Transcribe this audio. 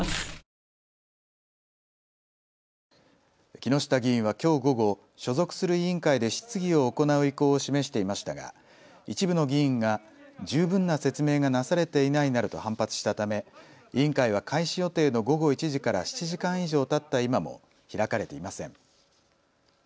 木下議員はきょう午後、所属する委員会で質疑を行う意向を示していましたが一部の議員が十分な説明がなされていないなどと反発したため委員会は開始予定の午後１時から７時間以上たった今も開かれていません。